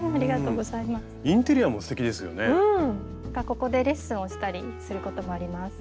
ここでレッスンをしたりすることもあります。